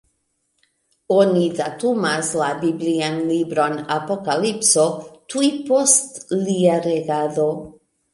Oni datumas la biblian libron Apokalipso tuj post lia regado.